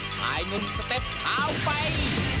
ชายหนุ่มสเต็ปเท้าไฟ